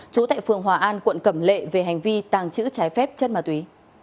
trú tại phường hòa an quận cẩm lệ về hành vi tàng trữ trái phép chất ma túy